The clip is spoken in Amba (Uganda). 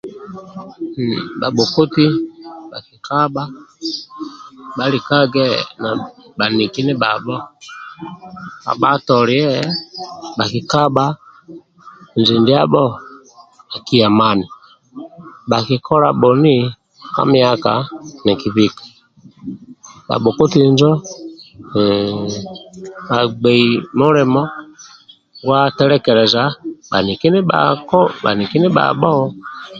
Bhabhokoti bhakikabha bhalikage na bhaniki ndibhabho bhabhatolie bhakikabha injo ndiabho akiya mani bhakikola bhoni ka miaka akibika bhabhoti injo hhh afbei mulimo gwa telekeleza bhaniki ndibhako bhaniki ndibhabho